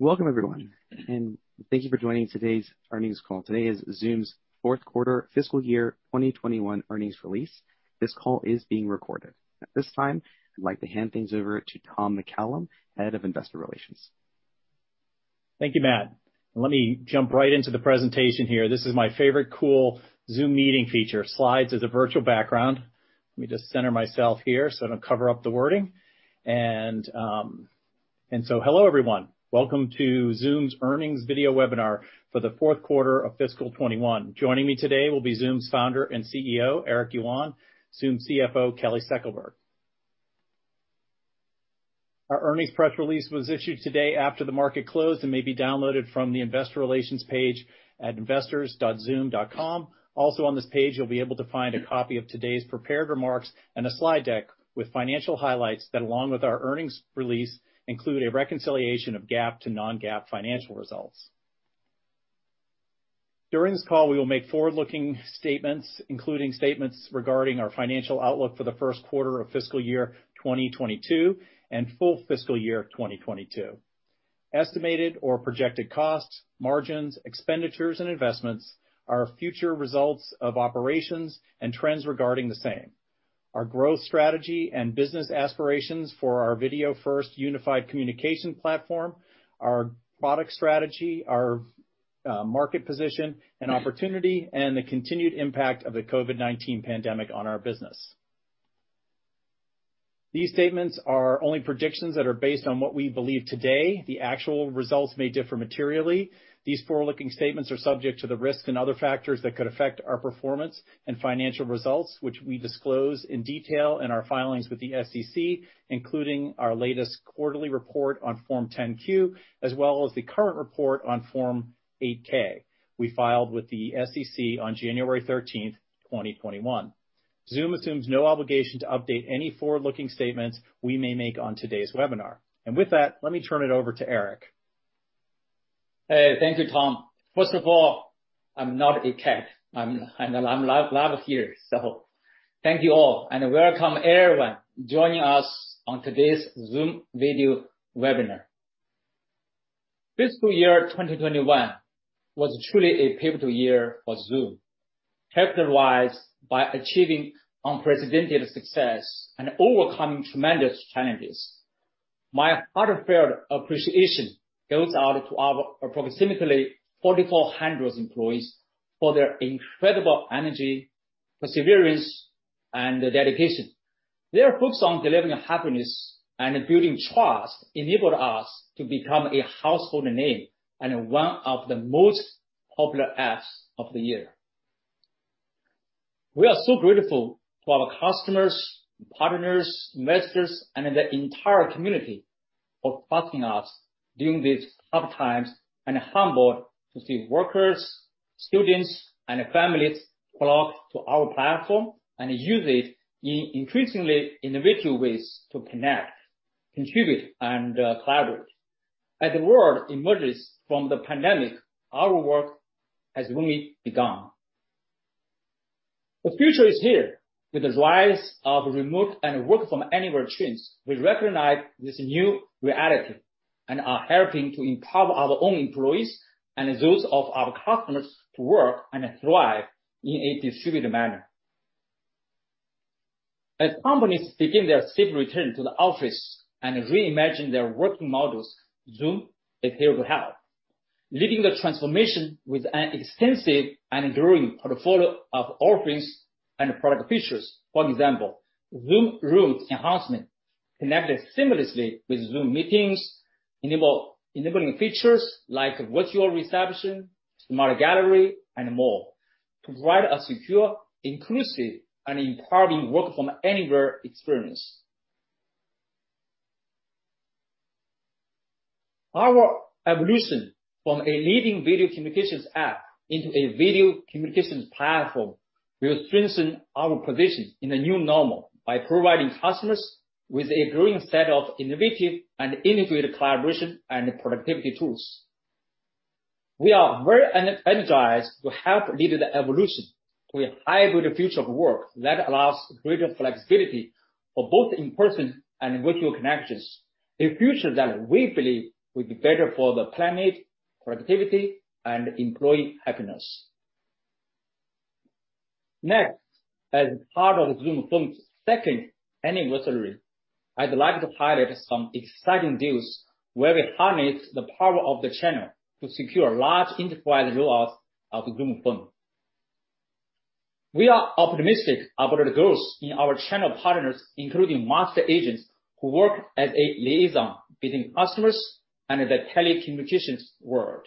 Welcome, everyone. Thank you for joining today's earnings call. Today is Zoom's Fourth Quarter Fiscal Y ear 2021 earnings release. This call is being recorded. At this time, I'd like to hand things over to Tom McCallum, Head of Investor Relations. Thank you, Matt. Let me jump right into the presentation here. This is my favorite cool Zoom Meetings feature, slides as a virtual background. Let me just center myself here so I don't cover up the wording. Hello, everyone. Welcome to Zoom's earnings video webinar for the fourth quarter of fiscal 2021. Joining me today will be Zoom's Founder and CEO, Eric Yuan, Zoom CFO, Kelly Steckelberg. Our earnings press release was issued today after the market closed and may be downloaded from the investor relations page at investors.zoom.com. Also on this page, you'll be able to find a copy of today's prepared remarks and a slide deck with financial highlights that along with our earnings release, include a reconciliation of GAAP to non-GAAP financial results. During this call, we will make forward-looking statements, including statements regarding our financial outlook for the first quarter of fiscal year 2022, and full fiscal year 2022. Estimated or projected costs, margins, expenditures, and investments, our future results of operations and trends regarding the same, our growth strategy and business aspirations for our video first unified communication platform, our product strategy, our market position and opportunity, and the continued impact of the COVID-19 pandemic on our business. These statements are only predictions that are based on what we believe today. The actual results may differ materially. These forward-looking statements are subject to the risk and other factors that could affect our performance and financial results, which we disclose in detail in our filings with the SEC, including our latest quarterly report on Form 10-Q, as well as the current report on Form 8-K we filed with the SEC on January 13, 2021. Zoom assumes no obligation to update any forward-looking statements we may make on today's webinar. With that, let me turn it over to Eric. Hey. Thank you, Tom. First of all, I'm not a cat. I'm live here. Thank you all, and welcome everyone joining us on today's Zoom video webinar. Fiscal year 2021 was truly a pivotal year for Zoom, characterized by achieving unprecedented success and overcoming tremendous challenges. My heartfelt appreciation goes out to our approximately 4,400 employees for their incredible energy, perseverance, and dedication. Their focus on delivering happiness and building trust enabled us to become a household name, and one of the most popular apps of the year. We are so grateful to our customers, partners, investors, and the entire community for trusting us during these tough times, and humbled to see workers, students, and families flock to our platform and use it in increasingly individual ways to connect, contribute, and collaborate. As the world emerges from the pandemic, our work has only begun. The future is here. With the rise of remote and work from anywhere trends, we recognize this new reality and are helping to empower our own employees and those of our customers to work and thrive in a distributed manner. As companies begin their safe return to the office and reimagine their working models, Zoom is here to help. Leading the transformation with an extensive and growing portfolio of offerings and product features. For example, Zoom Rooms enhancement connected seamlessly with Zoom Meetings, enabling features like AI Receptionist, Smart Gallery, and more, provide a secure, inclusive, and empowering work from anywhere experience. Our evolution from a leading video communications app into a video communications platform will strengthen our position in the new normal by providing customers with a growing set of innovative and integrated collaboration and productivity tools. We are very energized to help lead the evolution to a hybrid future of work that allows greater flexibility for both in-person and virtual connections, a future that we believe will be better for the planet, productivity, and employee happiness. As part of Zoom Phone's second anniversary, I'd like to highlight some exciting deals where we harnessed the power of the channel to secure large enterprise roll-outs of Zoom Phone. We are optimistic about the growth in our channel partners, including master agents who work as a liaison between customers and the telecommunications world.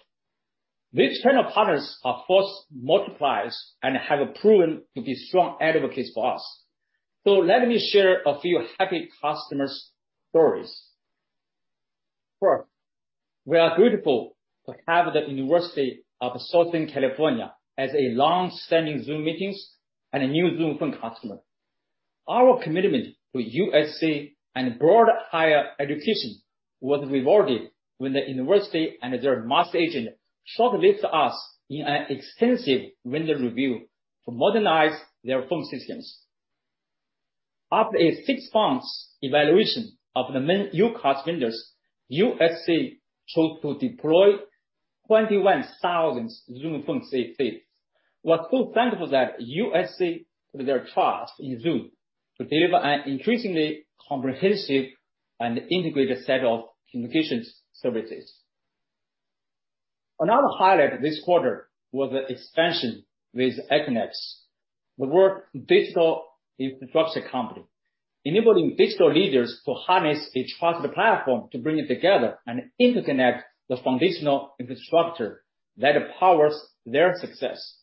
These channel partners are force multipliers and have proven to be strong advocates for us. Let me share a few happy customers' stories. We are grateful to have the University of Southern California as a long-standing Zoom Meetings and a new Zoom Phone customer. Our commitment to USC and broad higher education was rewarded when the university and their master agent shortlisted us in an extensive vendor review to modernize their phone systems. After a six months evaluation of the main UCaaS vendors, USC chose to deploy 21,000 Zoom Phone seats. We're so thankful that USC put their trust in Zoom to deliver an increasingly comprehensive and integrated set of communications services. Another highlight this quarter was the expansion with Equinix, the world's digital infrastructure company, enabling digital leaders to harness a trusted platform to bring together and interconnect the foundational infrastructure that powers their success.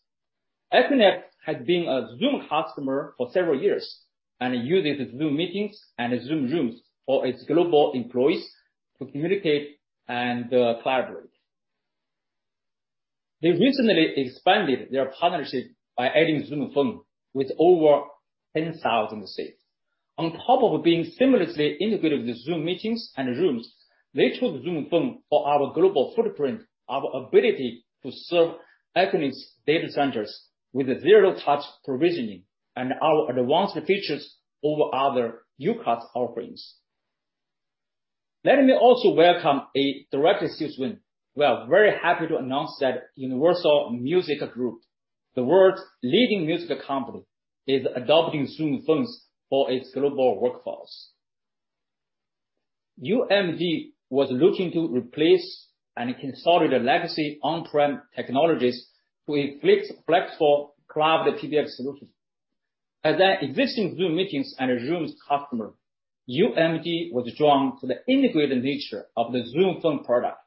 Equinix has been a Zoom customer for several years and uses Zoom Meetings and Zoom Rooms for its global employees to communicate and collaborate. They recently expanded their partnership by adding Zoom Phone with over 10,000 seats. On top of being seamlessly integrated with Zoom Meetings and Rooms, they chose Zoom Phone for our global footprint, our ability to serve Equinix data centers with Zero-touch provisioning, and our advanced features over other UCaaS offerings. Let me also welcome a direct win. We are very happy to announce that Universal Music Group, the world's leading music company, is adopting Zoom Phones for its global workforce. UMG was looking to replace and consolidate legacy on-prem technologies to a flexible cloud PBX solution. As an existing Zoom Meetings and Rooms customer, UMG was drawn to the integrated nature of the Zoom Phone product.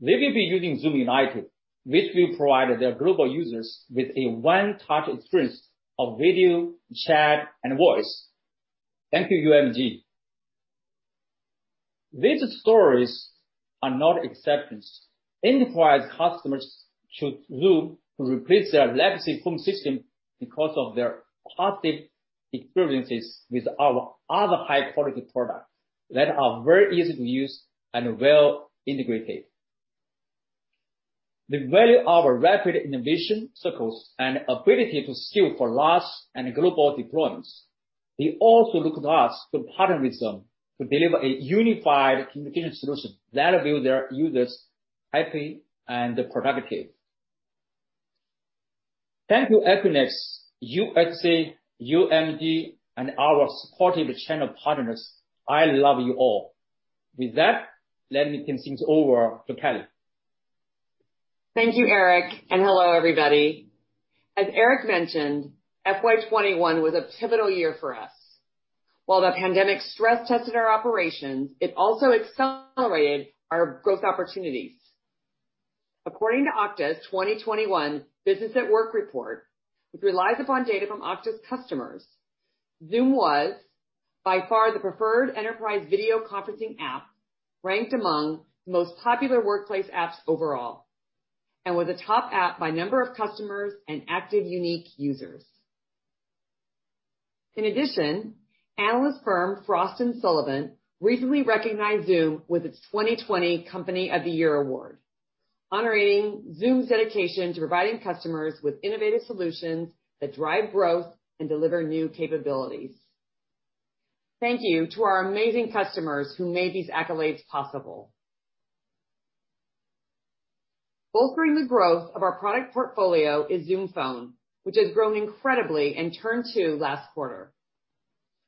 They will be using Zoom United, which will provide their global users with a one-touch experience of video, chat, and voice. Thank you, UMG. These stories are not exceptions. Enterprise customers choose Zoom to replace their legacy phone system because of their positive experiences with our other high-quality products that are very easy to use and well integrated. They value our rapid innovation cycles and ability to scale for large and global deployments. They also look to us to partner with them to deliver a unified communication solution that will make their users happy and productive. Thank you, Equinix, USC, UMG, and our supportive channel partners. I love you all. With that, let me turn things over to Kelly. Thank you, Eric. Hello, everybody. As Eric mentioned, FY 2021 was a pivotal year for us. While the pandemic stress tested our operations, it also accelerated our growth opportunities. According to Okta's 2021 Businesses at Work report, which relies upon data from Okta's customers, Zoom was by far the preferred enterprise video conferencing app, ranked among the most popular workplace apps overall, and was a top app by number of customers and active unique users. In addition, analyst firm Frost & Sullivan recently recognized Zoom with its 2020 Company of the Year Award, honoring Zoom's dedication to providing customers with innovative solutions that drive growth and deliver new capabilities. Thank you to our amazing customers who made these accolades possible. Bolstering the growth of our product portfolio is Zoom Phone, which has grown incredibly in year two last quarter.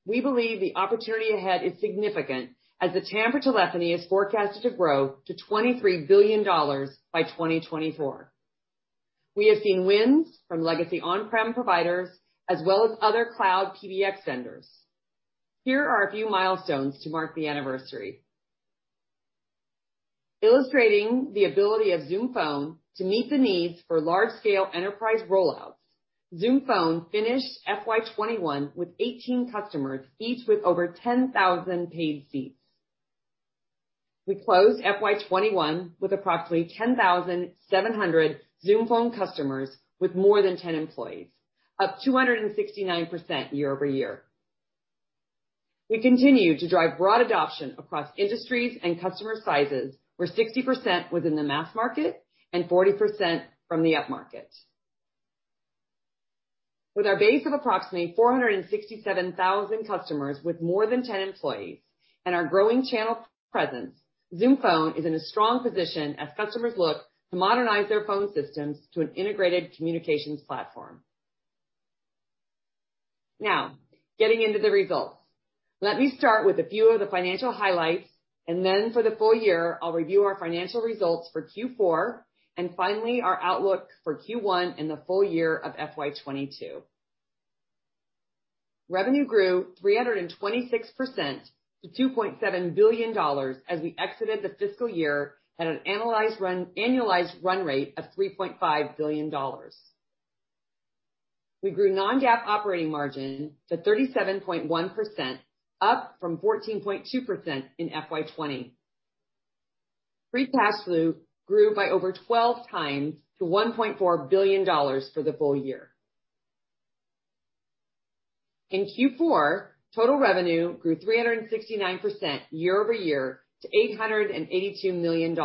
We believe the opportunity ahead is significant, as the TAM for telephony is forecasted to grow to $23 billion by 2024. We have seen wins from legacy on-prem providers, as well as other cloud PBX vendors. Here are a few milestones to mark the anniversary. Illustrating the ability of Zoom Phone to meet the needs for large scale enterprise rollouts, Zoom Phone finished FY 2021 with 18 customers, each with over 10,000 paid seats. We closed FY 2021 with approximately 10,700 Zoom Phone customers with more than 10 employees, up 269% year-over-year. We continue to drive broad adoption across industries and customer sizes, where 60% was in the mass market and 40% from the upmarket. With our base of approximately 467,000 customers with more than 10 employees and our growing channel presence, Zoom Phone is in a strong position as customers look to modernize their phone systems to an integrated communications platform. Getting into the results. Let me start with a few of the financial highlights, and then for the full year, I'll review our financial results for Q4, and finally, our outlook for Q1 and the full year of FY 2022. Revenue grew 326% to $2.7 billion as we exited the fiscal year at an annualized run rate of $3.5 billion. We grew non-GAAP operating margin to 37.1%, up from 14.2% in FY 2020. Free cash flow grew by over 12 times to $1.4 billion for the full year. In Q4, total revenue grew 369% year-over-year to $882 million.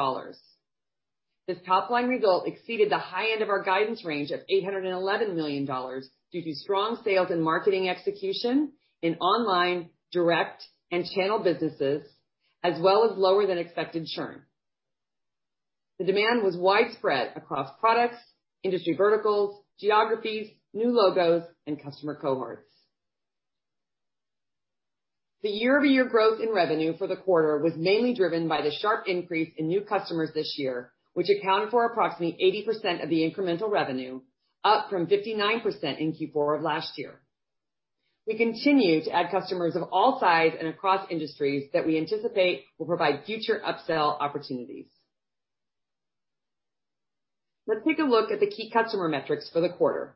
This top-line result exceeded the high end of our guidance range of $811 million due to strong sales and marketing execution in online, direct, and channel businesses, as well as lower than expected churn. The demand was widespread across products, industry verticals, geographies, new logos, and customer cohorts. The year-over-year growth in revenue for the quarter was mainly driven by the sharp increase in new customers this year, which accounted for approximately 80% of the incremental revenue, up from 59% in Q4 of last year. We continue to add customers of all size and across industries that we anticipate will provide future upsell opportunities. Let's take a look at the key customer metrics for the quarter.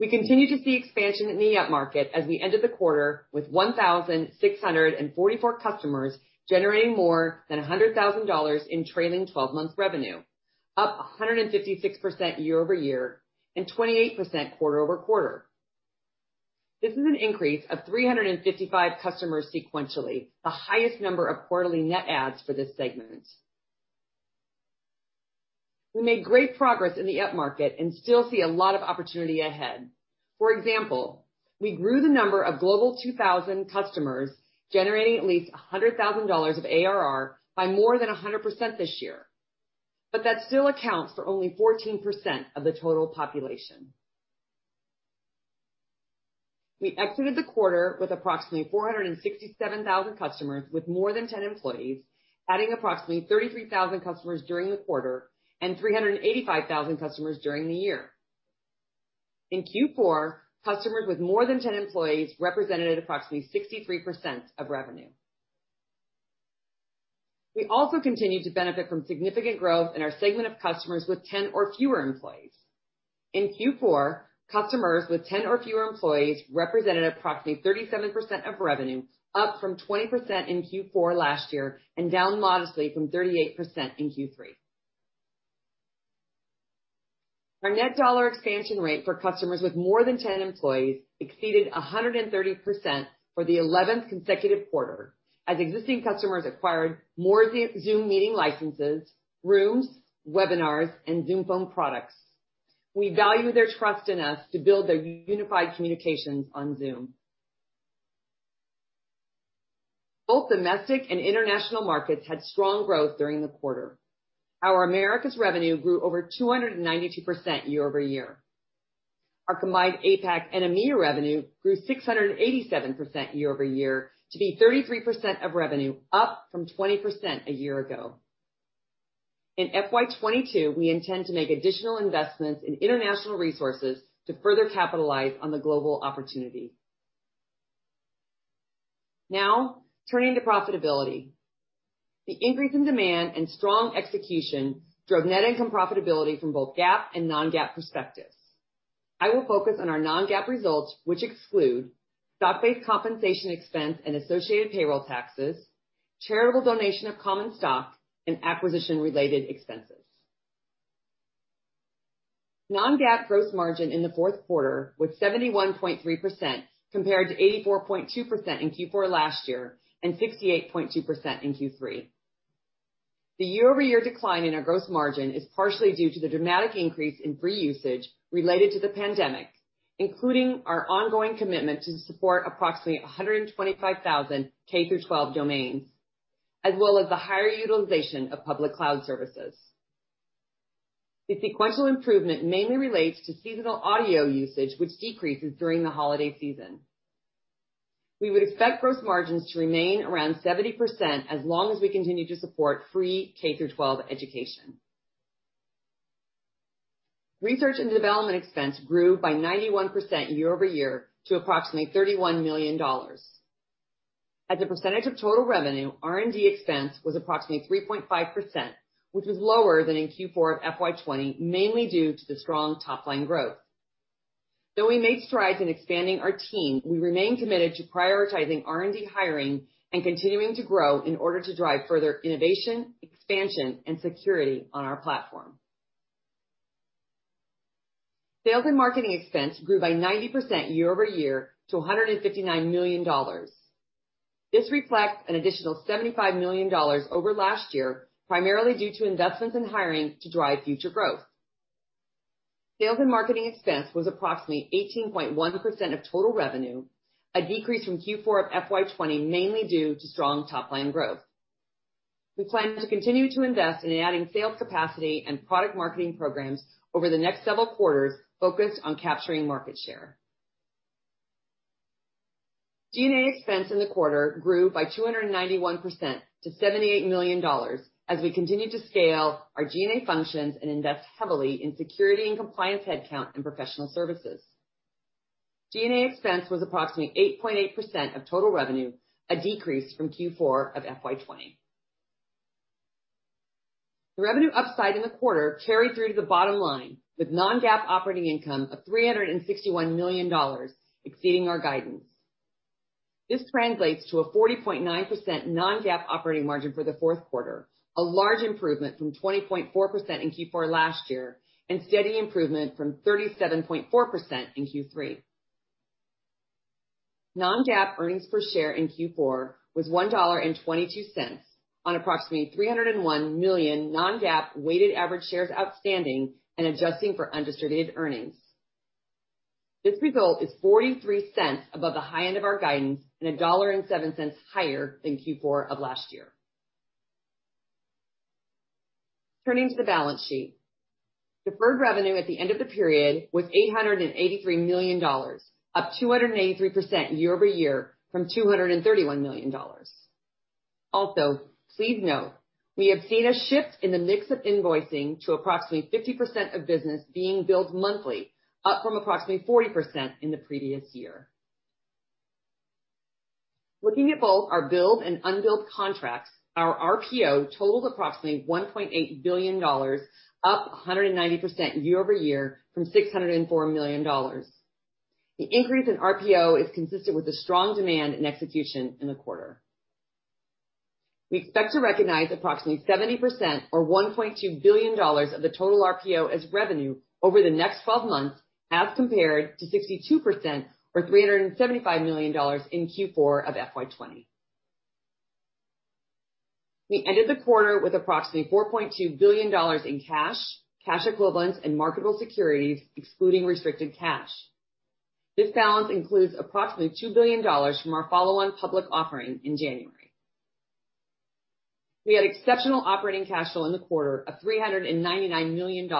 We continue to see expansion in the up-market as we ended the quarter with 1,644 customers generating more than $100,000 in trailing 12 months revenue, up 156% year-over-year and 28% quarter-over-quarter. This is an increase of 355 customers sequentially, the highest number of quarterly net adds for this segment. We made great progress in the up-market and still see a lot of opportunity ahead. For example, we grew the number of Global 2000 customers generating at least $100,000 of ARR by more than 100% this year. That still accounts for only 14% of the total population. We exited the quarter with approximately 467,000 customers with more than 10 employees, adding approximately 33,000 customers during the quarter and 385,000 customers during the year. In Q4, customers with more than 10 employees represented approximately 63% of revenue. We also continued to benefit from significant growth in our segment of customers with 10 or fewer employees. In Q4, customers with 10 or fewer employees represented approximately 37% of revenue, up from 20% in Q4 last year, and down modestly from 38% in Q3. Our net dollar expansion rate for customers with more than 10 employees exceeded 130% for the 11th consecutive quarter as existing customers acquired more Zoom Meeting licenses, Zoom Rooms, Zoom Webinars, and Zoom Phone products. We value their trust in us to build their unified communications on Zoom. Both domestic and international markets had strong growth during the quarter. Our Americas revenue grew over 292% year-over-year. Our combined APAC and EMEA revenue grew 687% year-over-year to be 33% of revenue, up from 20% a year ago. In FY 2022, we intend to make additional investments in international resources to further capitalize on the global opportunity. Turning to profitability. The increase in demand and strong execution drove net income profitability from both GAAP and non-GAAP perspectives. I will focus on our non-GAAP results, which exclude stock-based compensation expense and associated payroll taxes, charitable donation of common stock, and acquisition related expenses. Non-GAAP gross margin in the fourth quarter was 71.3% compared to 84.2% in Q4 last year, and 68.2% in Q3. The year-over-year decline in our gross margin is partially due to the dramatic increase in free usage related to the pandemic, including our ongoing commitment to support approximately 125,000 K-12 domains, as well as the higher utilization of public cloud services. The sequential improvement mainly relates to seasonal audio usage, which decreases during the holiday season. We would expect gross margins to remain around 70% as long as we continue to support free K-12 education. Research and development expense grew by 91% year-over-year to approximately $31 million. As a percentage of total revenue, R&D expense was approximately 3.5%, which was lower than in Q4 of FY 2020, mainly due to the strong top-line growth. Though we made strides in expanding our team, we remain committed to prioritizing R&D hiring and continuing to grow in order to drive further innovation, expansion, and security on our platform. Sales and marketing expense grew by 90% year-over-year to $159 million. This reflects an additional $75 million over last year, primarily due to investments in hiring to drive future growth. Sales and marketing expense was approximately 18.1% of total revenue, a decrease from Q4 of FY 2020, mainly due to strong top-line growth. We plan to continue to invest in adding sales capacity and product marketing programs over the next several quarters focused on capturing market share. G&A expense in the quarter grew by 291% to $78 million as we continued to scale our G&A functions and invest heavily in security and compliance headcount and professional services. G&A expense was approximately 8.8% of total revenue, a decrease from Q4 of FY 2020. The revenue upside in the quarter carried through to the bottom line with non-GAAP operating income of $361 million, exceeding our guidance. This translates to a 40.9% non-GAAP operating margin for the fourth quarter, a large improvement from 20.4% in Q4 last year, and steady improvement from 37.4% in Q3. Non-GAAP earnings per share in Q4 was $1.22 on approximately 301 million non-GAAP weighted average shares outstanding and adjusting for undistributed earnings. This result is $0.43 above the high end of our guidance and $1.7 higher than Q4 of last year. Turning to the balance sheet. Deferred revenue at the end of the period was $883 million, up 283% year-over-year from $231 million. Also, please note, we have seen a shift in the mix of invoicing to approximately 50% of business being billed monthly, up from approximately 40% in the previous year. Looking at both our billed and unbilled contracts, our RPO totals approximately $1.8 billion, up 190% year-over-year from $604 million. The increase in RPO is consistent with the strong demand and execution in the quarter. We expect to recognize approximately 70% or $1.2 billion of the total RPO as revenue over the next 12 months as compared to 62%, or $375 million in Q4 of FY 2020. We ended the quarter with approximately $4.2 billion in cash equivalents, and marketable securities, excluding restricted cash. This balance includes approximately $2 billion from our follow-on public offering in January. We had exceptional operating cash flow in the quarter of $399 million,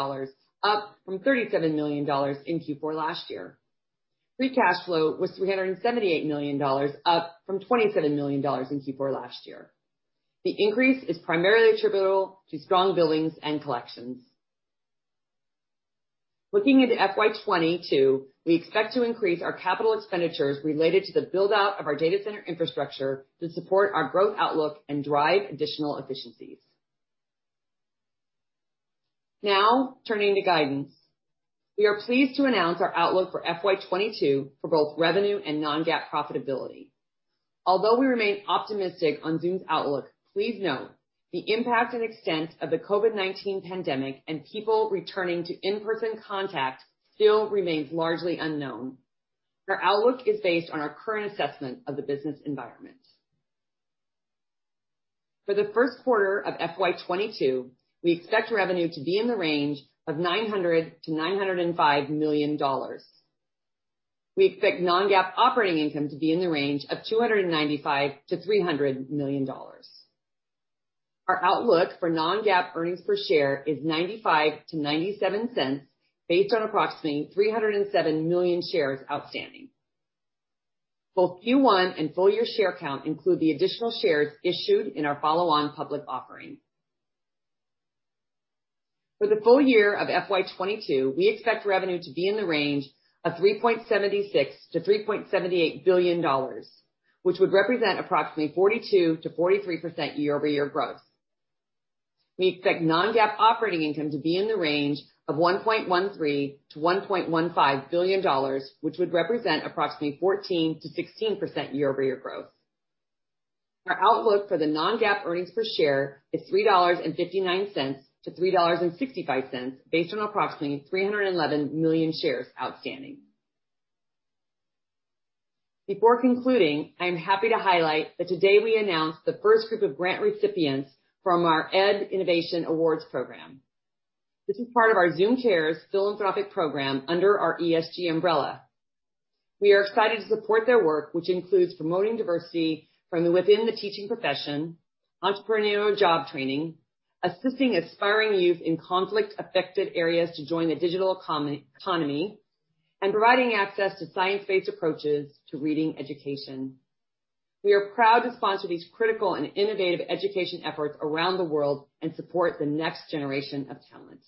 up from $37 million in Q4 last year. Free cash flow was $378 million, up from $27 million in Q4 last year. The increase is primarily attributable to strong billings and collections. Looking into FY22, we expect to increase our capital expenditures related to the build-out of our data center infrastructure to support our growth outlook and drive additional efficiencies. Now, turning to guidance. We are pleased to announce our outlook for FY22 for both revenue and non-GAAP profitability. Although we remain optimistic on Zoom's outlook, please note, the impact and extent of the COVID-19 pandemic and people returning to in-person contact still remains largely unknown. Our outlook is based on our current assessment of the business environment. For the first quarter of FY 2022, we expect revenue to be in the range of $900 million-$905 million. We expect non-GAAP operating income to be in the range of $295 million-$300 million. Our outlook for non-GAAP earnings per share is $0.95-$0.97 based on approximately 307 million shares outstanding. Both Q1 and full year share count include the additional shares issued in our follow-on public offering. For the full year of FY 2022, we expect revenue to be in the range of $3.76 billion-$3.78 billion, which would represent approximately 42%-43% year-over-year growth. We expect non-GAAP operating income to be in the range of $1.13 billion-$1.15 billion, which would represent approximately 14%-16% year-over-year growth. Our outlook for the non-GAAP earnings per share is $3.59 to $3.65, based on approximately 311 million shares outstanding. Before concluding, I am happy to highlight that today we announced the first group of grant recipients from our EdInnovation Awards program. This is part of our Zoom Cares philanthropic program under our ESG umbrella. We are excited to support their work, which includes promoting diversity from within the teaching profession, entrepreneurial job training, assisting aspiring youth in conflict-affected areas to join the digital economy, and providing access to science-based approaches to reading education. We are proud to sponsor these critical and innovative education efforts around the world and support the next generation of talent.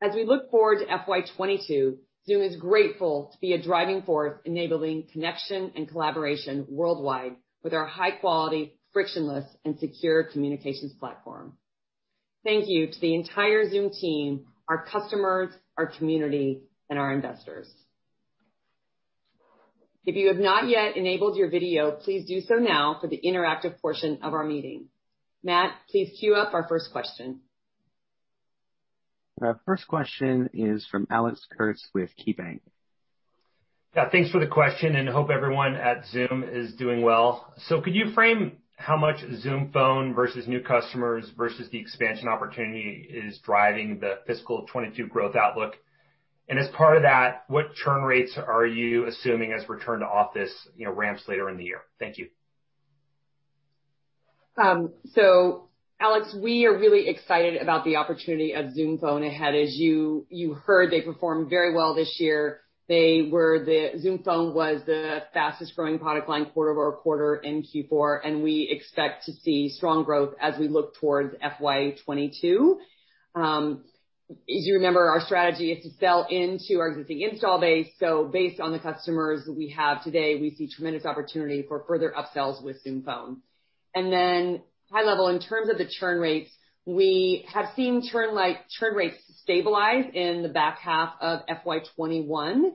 As we look forward to FY 2022, Zoom is grateful to be a driving force enabling connection and collaboration worldwide with our high quality, frictionless, and secure communications platform. Thank you to the entire Zoom team, our customers, our community, and our investors. If you have not yet enabled your video, please do so now for the interactive portion of our meeting. Matt, please queue up our first question. Our first question is from Alex Kurtz with KeyBanc. Yeah, thanks for the question, and hope everyone at Zoom is doing well. Could you frame how much Zoom Phone versus new customers versus the expansion opportunity is driving the fiscal 2022 growth outlook? As part of that, what churn rates are you assuming as return to office ramps later in the year? Thank you. Alex, we are really excited about the opportunity of Zoom Phone ahead. As you heard, they performed very well this year. Zoom Phone was the fastest-growing product line quarter-over-quarter in Q4, and we expect to see strong growth as we look towards FY 2022. Okay As you remember, our strategy is to sell into our existing install base. Based on the customers we have today, we see tremendous opportunity for further upsells with Zoom Phone. High level, in terms of the churn rates, we have seen churn rates stabilize in the back half of FY 2021.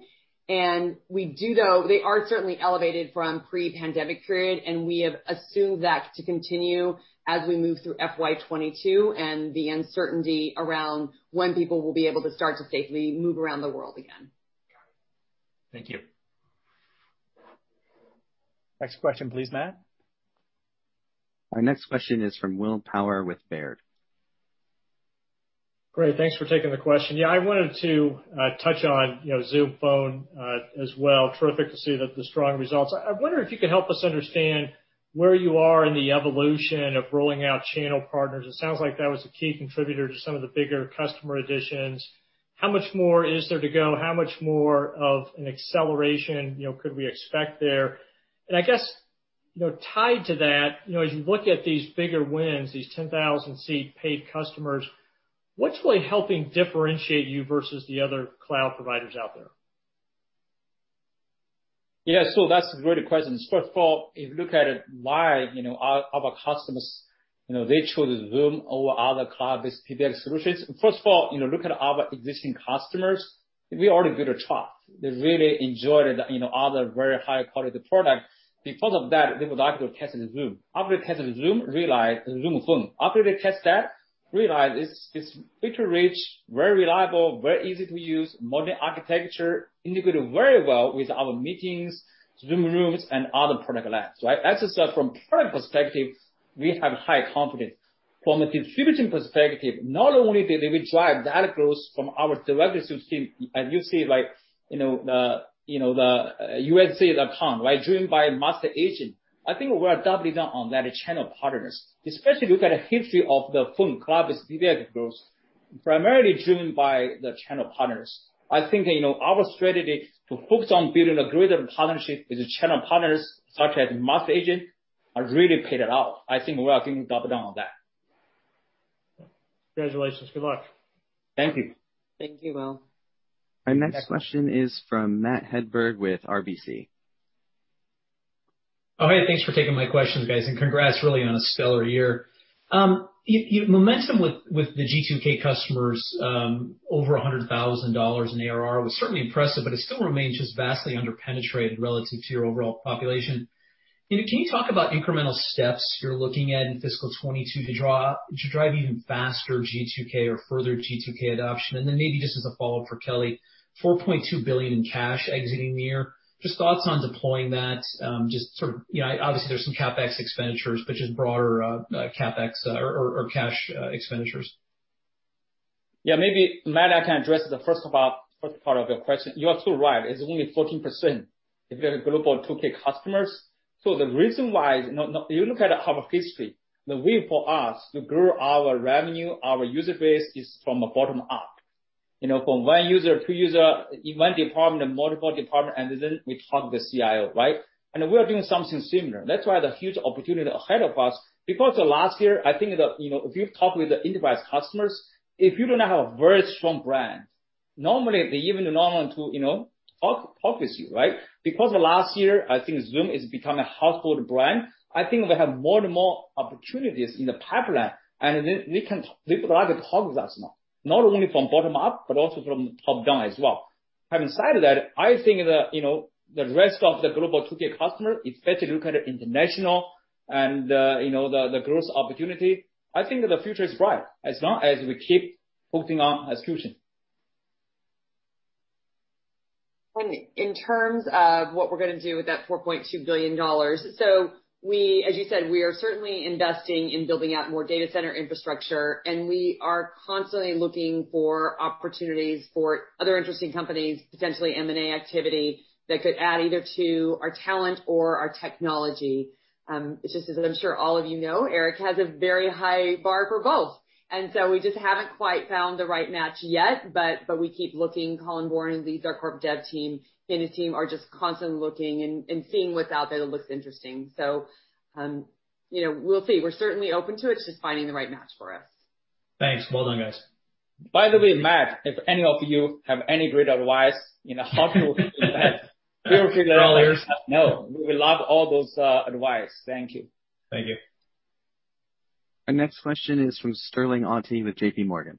We do know they are certainly elevated from pre-pandemic period, and we have assumed that to continue as we move through FY 2022, and the uncertainty around when people will be able to start to safely move around the world again. Got it. Thank you. Next question, please, Matt. Our next question is from Will Power with Baird. Great. Thanks for taking the question. Yeah, I wanted to touch on Zoom Phone as well. Terrific to see the strong results. I wonder if you could help us understand where you are in the evolution of rolling out channel partners. It sounds like that was a key contributor to some of the bigger customer additions. How much more is there to go? How much more of an acceleration could we expect there? I guess, tied to that, as you look at these bigger wins, these 10,000 seat paid customers, what's really helping differentiate you versus the other cloud providers out there? Yeah, that's a great question. First of all, if you look at it, why our customers, they chose Zoom over other cloud-based PBX solutions. First of all, look at our existing customers. We already built trust. They really enjoyed other very high-quality product. Because of that, they would like to test Zoom. After they test Zoom, they realize Zoom Phone. After they test that, they realize it's feature-rich, very reliable, very easy to use, modern architecture, integrated very well with Zoom Meetings, Zoom Rooms, and other product lines, right. As I said, from product perspective, we have high confidence. From a distribution perspective, not only did we drive that growth from our direct sales team, and you see the USC account driven by master agent. I think we are doubling down on that channel partners, especially look at the history of the phone cloud-based PBX growth, primarily driven by the channel partners. I think our strategy to focus on building a greater partnership with the channel partners such as master agent, has really paid it out. I think we are going to double down on that. Congratulations. Good luck. Thank you. Thank you, Will. Our next question is from Matt Hedberg with RBC. Oh, hey, thanks for taking my questions, guys. Congrats, really, on a stellar year. Momentum with the G2K customers, over $100,000 in ARR was certainly impressive, it still remains just vastly under-penetrated relative to your overall population. Can you talk about incremental steps you're looking at in fiscal 2022 to drive even faster G2K or further G2K adoption? Maybe just as a follow-up for Kelly, $4.2 billion in cash exiting the year. Just thoughts on deploying that. Obviously, there's some CapEx expenditures, just broader CapEx or cash expenditures. Yeah. Maybe, Matt, I can address the first part of your question. You are too right, it's only 14% of your Global 2K customers. The reason why, if you look at our history, the way for us to grow our revenue, our user base, is from the bottom up. From one user, two user, in one department and multiple department, and then we talk to the CIO, right? We are doing something similar. That's why the huge opportunity ahead of us, because the last year, I think, if you talk with the enterprise customers, if you do not have a very strong brand, normally, they even do not want to talk with you, right? Because of last year, I think Zoom has become a household brand. I think we have more and more opportunities in the pipeline, then they would like to talk to us now, not only from bottom up, but also from top down as well. Having said that, I think the rest of the Global 2K customer, especially look at the international and the growth opportunity, I think the future is bright as long as we keep focusing on execution. In terms of what we're going to do with that $4.2 billion, as you said, we are certainly investing in building out more data center infrastructure, and we are constantly looking for opportunities for other interesting companies, potentially M&A activity, that could add either to our talent or our technology. It's just as I'm sure all of you know, Eric has a very high bar for both. We just haven't quite found the right match yet, but we keep looking. Colin Born leads our corp dev team. He and his team are just constantly looking and seeing what's out there that looks interesting. We'll see. We're certainly open to it. It's just finding the right match for us. Thanks. Well done, guys. By the way, Matt, if any of you have any great advice in how to do that, feel free to let us know. We love all those advice. Thank you. Thank you. Our next question is from Sterling Auty with JPMorgan.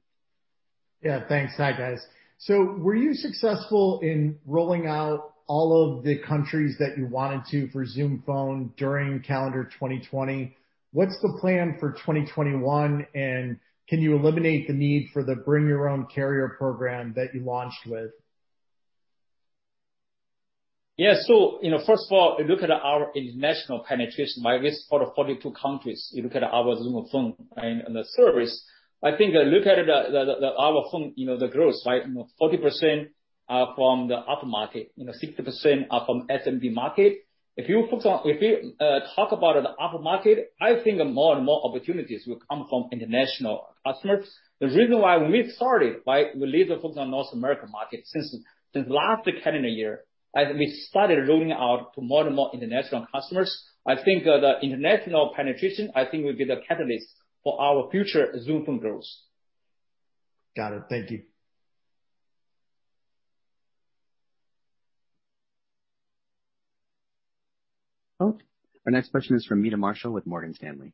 Yeah, thanks. Hi, guys. Were you successful in rolling out all of the countries that you wanted to for Zoom Phone during calendar 2020? What's the plan for 2021, and can you eliminate the need for the bring your own carrier program that you launched with? Yeah. First of all, if you look at our international penetration by risk for the 42 countries, you look at our Zoom Phone and the service, I think look at our phone, the growth. 40% are from the upmarket, 60% are from SMB market. If you talk about the upmarket, I think more and more opportunities will come from international customers. The reason why we started, we really focus on North American market since last calendar year, we started rolling out to more and more international customers. I think the international penetration will be the catalyst for our future Zoom Phone growth. Got it. Thank you. Our next question is from Meta Marshall with Morgan Stanley.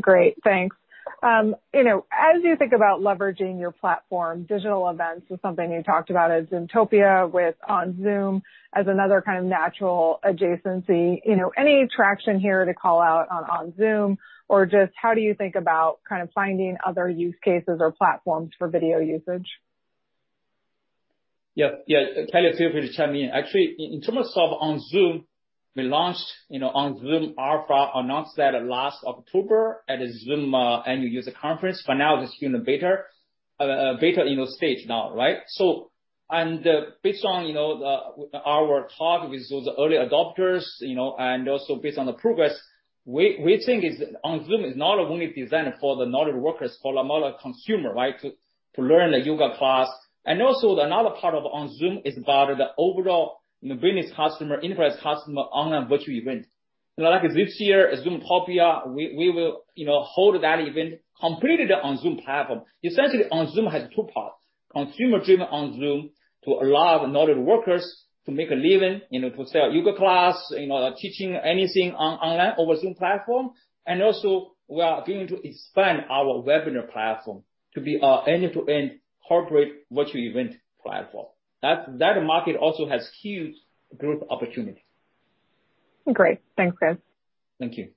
Great, thanks. As you think about leveraging your platform, digital events is something you talked about at Zoomtopia with OnZoom as another kind of natural adjacency. Any traction here to call out on Zoom, or just how do you think about finding other use cases or platforms for video usage? Yeah. Kelly, feel free to chime in. Actually, in terms of OnZoom, we launched OnZoom Alpha, announced that last October at Zoom annual user conference. For now, it's still in the beta stage now, right? Based on our talk with those early adopters, and also based on the progress, we think OnZoom is not only designed for the knowledge workers, for a modern consumer, right, to learn yoga class. Also another part of OnZoom is about the overall business customer, enterprise customer online virtual event. Like this year, Zoomtopia, we will hold that event completely on Zoom platform. Essentially, OnZoom has two parts, consumer-driven OnZoom to allow knowledge workers to make a living, to sell yoga class, teaching anything online over Zoom platform. Also, we are going to expand our webinar platform to be our end-to-end corporate virtual event platform. That market also has huge growth opportunity. Great. Thanks, guys. Thank you.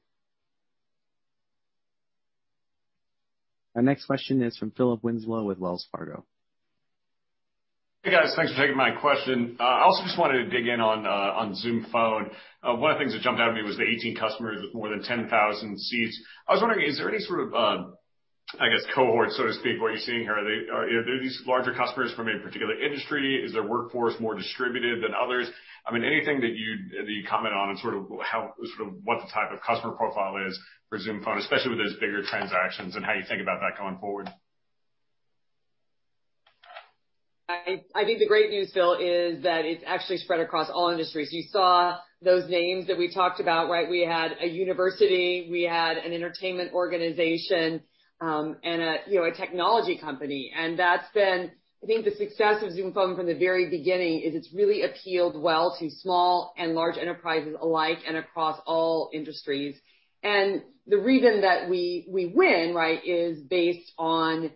Our next question is from Philip Winslow with Wells Fargo. Hey, guys. Thanks for taking my question. I also just wanted to dig in on Zoom Phone. One of the things that jumped out at me was the 18 customers with more than 10,000 seats. I was wondering, is there any sort of, I guess, cohort, so to speak, what you're seeing here? Are these larger customers from a particular industry? Is their workforce more distributed than others? Anything that you'd comment on and sort of what the type of customer profile is for Zoom Phone, especially with those bigger transactions and how you think about that going forward? I think the great news, Phil, is that it's actually spread across all industries. You saw those names that we talked about, right? We had a university, we had an entertainment organization, and a technology company. That's been, I think, the success of Zoom Phone from the very beginning, is it's really appealed well to small and large enterprises alike and across all industries. The reason that we win, right, is based on,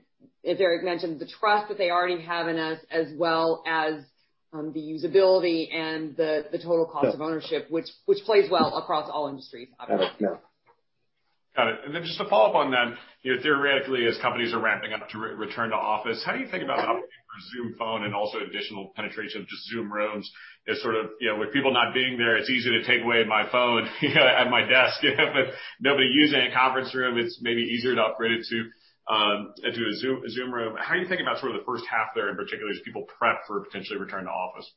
as Eric mentioned, the trust that they already have in us, as well as the usability and the total cost of ownership, which plays well across all industries, obviously. Got it. Just to follow up on that, theoretically, as companies are ramping up to return to office, how do you think about upgrading for Zoom Phone and also additional penetration of just Zoom Rooms as sort of with people not being there, it's easier to take away my phone at my desk, but nobody using a conference room, it's maybe easier to upgrade it to a Zoom Room. How are you thinking about sort of the first half there in particular, as people prep for potentially return to office?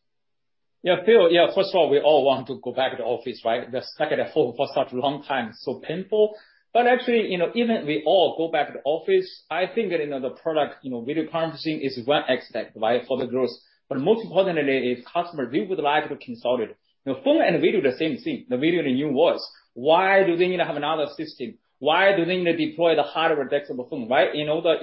Phil, first of all, we all want to go back to the office, right? The second at home for such a long time, so painful. Even we all go back to the office, I think the product video conferencing is one aspect, right, for the growth. Most importantly is customer, we would like to consolidate. Phone and video, the same thing. The video, the new voice. Why do they need to have another system? Why do they need to deploy the hardware desktop of phone, right?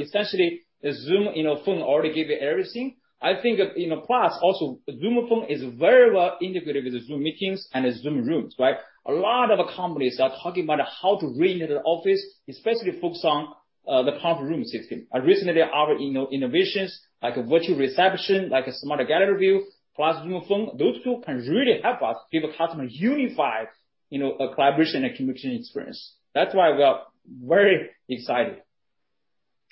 Essentially Zoom Phone already give you everything. I think, plus also Zoom Phone is very well integrated with Zoom Meetings and Zoom Rooms, right? A lot of companies are talking about how to reinvent the office, especially focused on the conference room system. Recently our innovations, like AI Receptionist, like Smart Gallery, plus Zoom Phone, those two can really help us give a customer unified collaboration and communication experience. That's why we are very excited.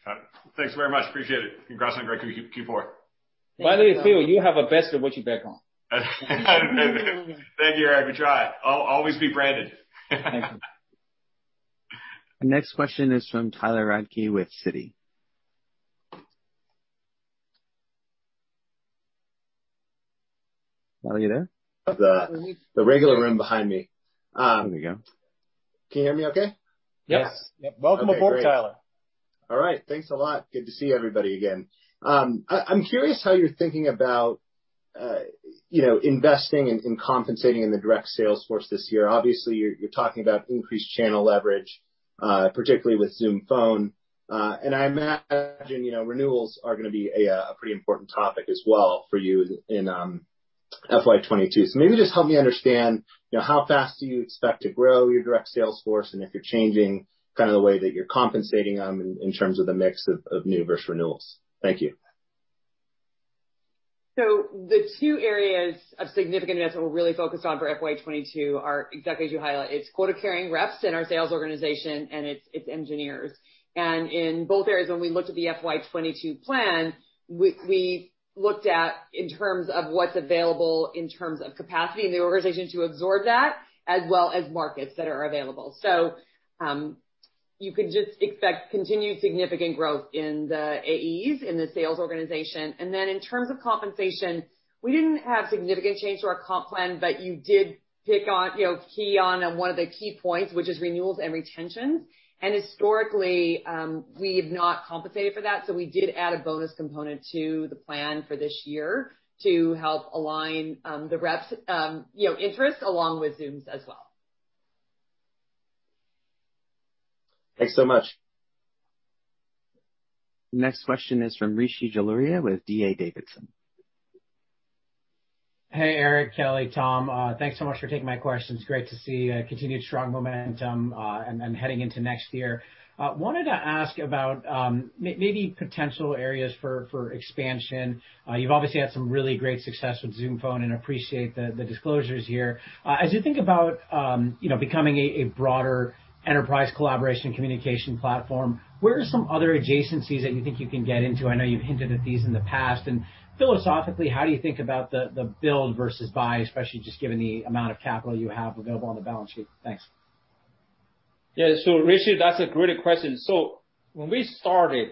Got it. Thanks very much. Appreciate it. Congrats on a great Q4. Thank you, Phil. By the way, Phil, you have a best virtual background. Thank you, Eric. I try. I'll always be branded. Our next question is from Tyler Radke with Citi. Tyler, you there? The regular room behind me. There we go. Can you hear me okay? Yes. Yep. Welcome aboard, Tyler. All right. Thanks a lot. Good to see everybody again. I'm curious how you're thinking about investing and compensating in the direct sales force this year. Obviously, you're talking about increased channel leverage, particularly with Zoom Phone. I imagine renewals are going to be a pretty important topic as well for you in FY 2022. Maybe just help me understand how fast do you expect to grow your direct sales force, and if you're changing the way that you're compensating them in terms of the mix of new versus renewals. Thank you. The two areas of significant investment we're really focused on for FY 2022 are exactly as you highlight. It's quota-carrying reps in our sales organization, and it's engineers. In both areas, when we looked at the FY 2022 plan, we looked at in terms of what's available in terms of capacity in the organization to absorb that, as well as markets that are available. You could just expect continued significant growth in the AEs, in the sales organization. In terms of compensation, we didn't have significant change to our comp plan, but you did pick on, key on one of the key points, which is renewals and retention. Historically, we have not compensated for that. We did add a bonus component to the plan for this year to help align the reps' interest along with Zoom's as well. Thanks so much. Next question is from Rishi Jaluria with D.A. Davidson. Hey, Eric, Kelly, Tom. Thanks so much for taking my questions. Great to see continued strong momentum heading into next year. Wanted to ask about maybe potential areas for expansion. You've obviously had some really great success with Zoom Phone and appreciate the disclosures here. As you think about becoming a broader enterprise collaboration communication platform, where are some other adjacencies that you think you can get into? I know you've hinted at these in the past. Philosophically, how do you think about the build versus buy, especially just given the amount of capital you have available on the balance sheet? Thanks. Rishi, that's a great question. When we started,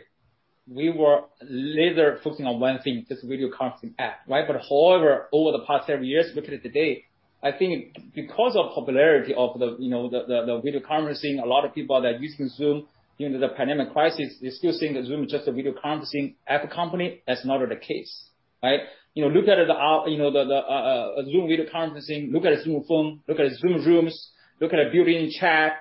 we were laser-focusing on one thing, just video conferencing app, right? However, over the past several years, looking at today, I think because of popularity of the video conferencing, a lot of people are now using Zoom during the pandemic crisis, they're still seeing that Zoom is just a video conferencing app company. That's not the case, right? Look at the Zoom video conferencing, look at Zoom Phone, look at Zoom Rooms, look at the built-in chat,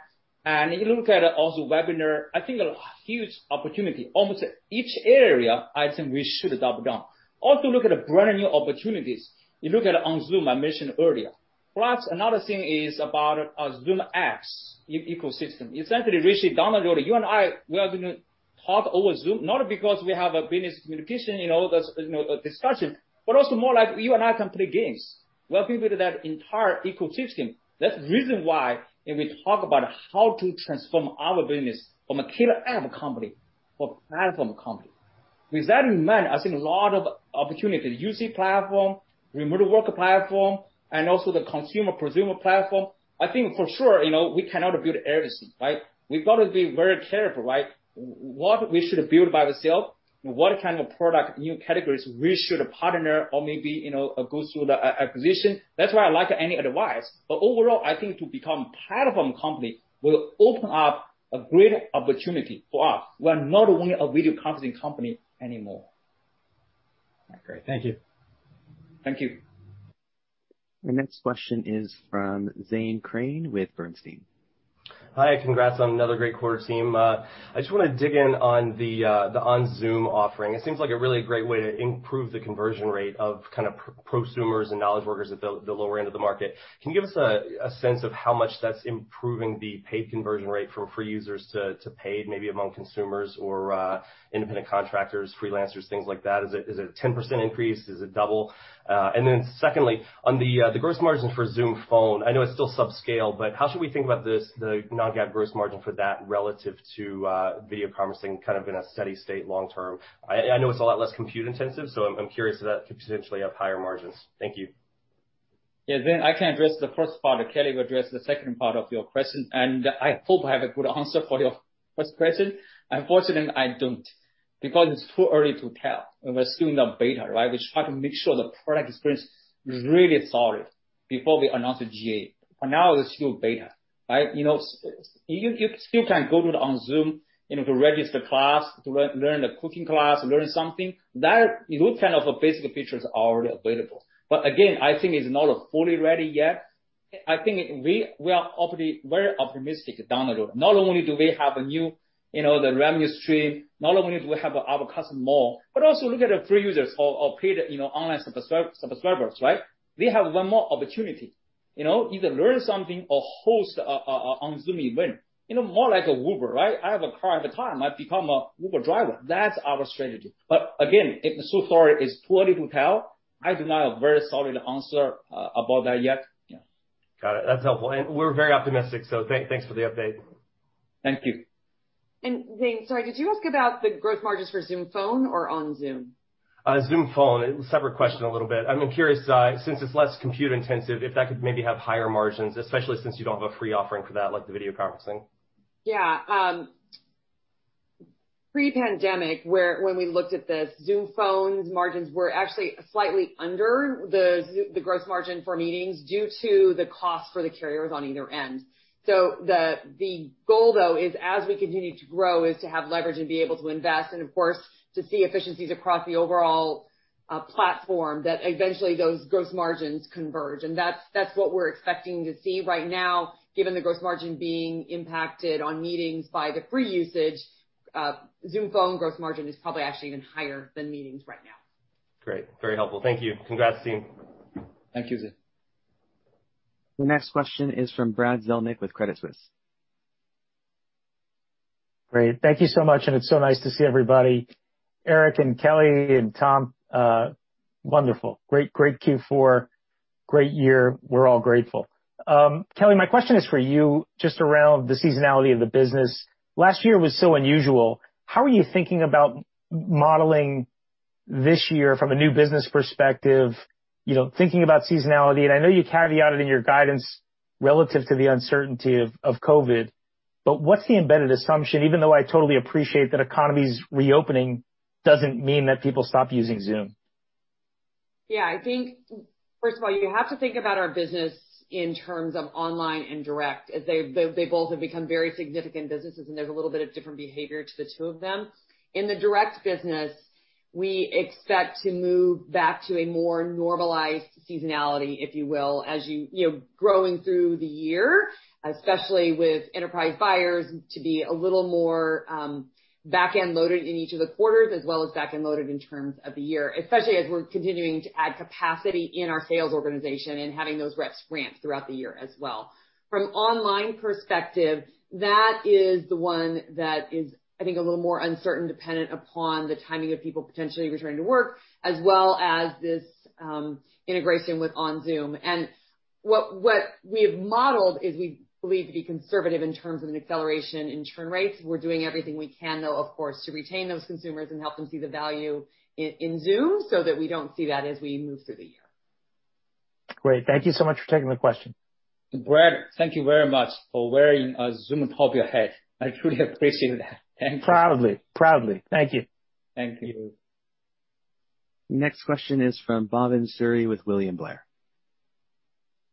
and you look at also webinar, I think a huge opportunity. Almost each area, I think we should double down. Also, look at brand new opportunities. You look at OnZoom, I mentioned earlier. Another thing is about Zoom Apps ecosystem. Essentially, Rishi, down the road, you and I, we are going to talk over Zoom, not only because we have a business communication, that discussion, but also more like you and I can play games. We are people that entire ecosystem. That's reason why if we talk about how to transform our business from a killer app company to a platform company. With that in mind, I think a lot of opportunity, UC platform, remote work platform, and also the consumer prosumer platform. I think for sure, we cannot build everything, right? We've got to be very careful, right? What we should build by ourselves and what kind of product, new categories we should partner or maybe go through the acquisition. That's why I like any advice. Overall, I think to become platform company will open up a great opportunity for us. We are not only a video conferencing company anymore. Great. Thank you. Thank you. Our next question is from Zane Chrane with Bernstein. Hi, congrats on another great quarter, team. I just want to dig in on the OnZoom offering. It seems like a really great way to improve the conversion rate of prosumers and knowledge workers at the lower end of the market. Can you give us a sense of how much that's improving the paid conversion rate for free users to paid, maybe among consumers or independent contractors, freelancers, things like that? Is it a 10% increase? Is it double? Secondly, on the gross margin for Zoom Phone, I know it's still subscale, but how should we think about the non-GAAP gross margin for that relative to video conferencing kind of in a steady state long-term? I know it's a lot less compute intensive, I'm curious if that could potentially have higher margins. Thank you. Zane, I can address the first part, Kelly will address the second part of your question. I hope I have a good answer for your first question. Unfortunately, I don't, because it's too early to tell. We're still in the beta, right? We try to make sure the product experience is really solid before we announce the GA. For now, it's still beta, right? You still can go to OnZoom to register class, to learn the cooking class, learn something. Those kind of basic features are already available. Again, I think it's not fully ready yet. I think we are very optimistic down the road. Not only do we have the revenue stream, not only do we have our customer more, also look at free users or paid online subscribers, right? We have one more opportunity. Either learn something or host OnZoom event. More like Uber, right? I have a car at the time, I become a Uber driver. That's our strategy. Again, sorry, it's too early to tell. I do not have very solid answer about that yet. Yeah. Got it. That's helpful. We're very optimistic, so thanks for the update. Thank you. Zane, sorry, did you ask about the growth margins for Zoom Phone or OnZoom? Zoom Phone. Separate question a little bit. I'm curious, since it's less compute intensive, if that could maybe have higher margins, especially since you don't have a free offering for that, like the video conferencing. Yeah. Pre-pandemic, when we looked at this, Zoom Phone's margins were actually slightly under the Zoom, the gross margin for Meetings due to the cost for the carriers on either end. The goal, though, is as we continue to grow, is to have leverage and be able to invest, and of course, to see efficiencies across the overall platform, that eventually those gross margins converge. That's what we're expecting to see right now, given the gross margin being impacted on Meetings by the free usage. Zoom Phone gross margin is probably actually even higher than Meetings right now. Great. Very helpful. Thank you. Congrats, team. Thank you, Zane. The next question is from Brad Zelnick with Credit Suisse. Great. Thank you so much, and it's so nice to see everybody. Eric and Kelly and Tom, wonderful. Great Q4, great year. We're all grateful. Kelly, my question is for you, just around the seasonality of the business. Last year was so unusual. How are you thinking about modeling this year from a new business perspective, thinking about seasonality? I know you caveat it in your guidance relative to the uncertainty of COVID, but what's the embedded assumption, even though I totally appreciate that economy's reopening doesn't mean that people stop using Zoom? I think first of all, you have to think about our business in terms of online, indirect. They both have become very significant businesses, and there's a little bit of different behavior to the two of them. In the direct business, we expect to move back to a more normalized seasonality, if you will, as growing through the year, especially with enterprise buyers to be a little more backend loaded in each of the quarters, as well as backend loaded in terms of the year, especially as we're continuing to add capacity in our sales organization and having those reps ramp throughout the year as well. From online perspective, that is the one that is, I think, a little more uncertain, dependent upon the timing of people potentially returning to work, as well as this integration with OnZoom. What we've modeled is we believe to be conservative in terms of an acceleration in churn rates. We're doing everything we can, though, of course, to retain those consumers and help them see the value in Zoom so that we don't see that as we move through the year. Great. Thank you so much for taking the question. Brad, thank you very much for wearing a Zoom top your head. I truly appreciate that. Thank you. Proudly. Thank you. Thank you. Next question is from Bhavan Suri with William Blair.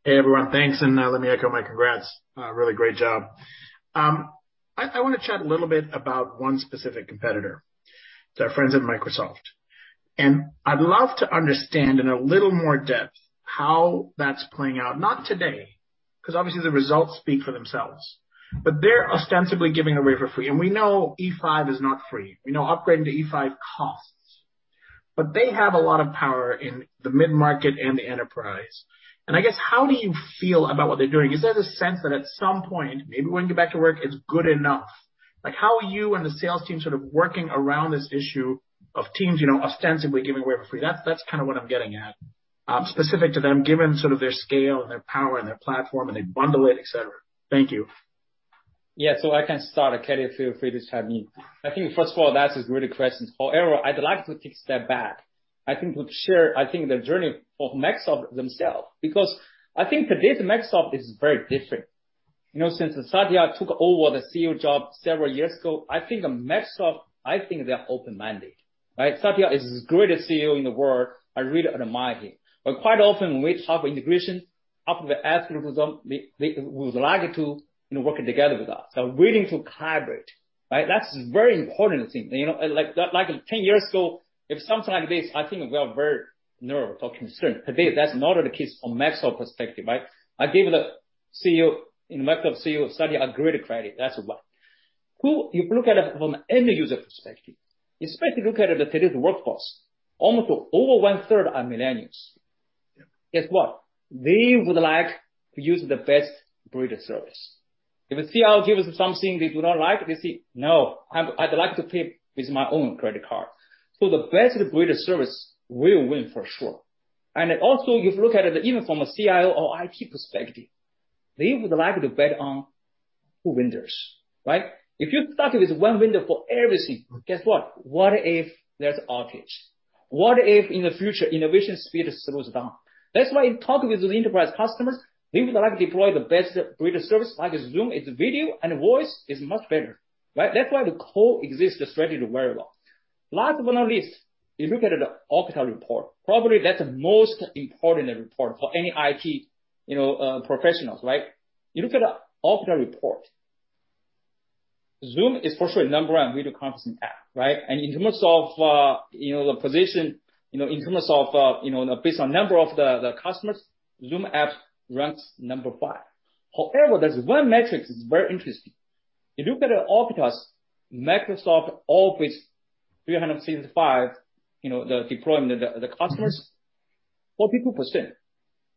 Hey, everyone. Thanks. Let me echo my congrats. Really great job. I want to chat a little bit about one specific competitor, to our friends at Microsoft. I'd love to understand in a little more depth how that's playing out, not today, because obviously the results speak for themselves. They're ostensibly giving away for free. We know E5 is not free. We know upgrading to E5 costs. They have a lot of power in the mid-market and the enterprise. I guess, how do you feel about what they're doing? Is there the sense that at some point, maybe when you get back to work, it's good enough? How are you and the sales team sort of working around this issue of Teams ostensibly giving away for free? That's kind of what I'm getting at, specific to them, given sort of their scale and their power and their platform, and they bundle it, et cetera. Thank you. Yeah. I can start. Kelly, feel free to chime in. I think, first of all, that is really questions. I'd like to take a step back, I think, to share, I think the journey of Microsoft themselves. I think today's Microsoft is very different. Since Satya took over the CEO job several years ago, I think Microsoft, I think they're open-minded, right? Satya is the greatest CEO in the world. I really admire him. quite often, we have integration after we ask them, would like to work together with us. willing to collaborate, right? That's a very important thing. Like 10 years ago, if something like this, I think we are very nervous or concerned. Today, that's not the case from Microsoft perspective, right? I give the CEO, in Microsoft CEO Satya a great credit. That's why. If you look at it from an end user perspective, especially look at the today's workforce, almost over one-third are millennials. Guess what? They would like to use the best breed of service. If a CIO gives something they do not like, they say, "No, I'd like to pay with my own credit card." The best breed of service will win for sure. Also, if you look at it, even from a CIO or IT perspective, they would like to bet on two windows, right? If you're stuck with one window for everything, guess what? What if there's outage? What if in the future, innovation speed slows down? That's why in talking with those enterprise customers, they would like deploy the best breed of service, like Zoom, its video and voice is much better, right? That's why the core exists strategy very well. Last but not least, if you look at the Okta report, probably that's the most important report for any IT professionals, right? You look at the Okta report. Zoom is for sure number one video conferencing app, right? In terms of the position, based on number of the customers, Zoom Apps ranks number five. However, there's one metric that's very interesting. If you look at Okta's Microsoft Office 365, the deployment of the customers, 42%